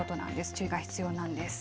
注意が必要なんです。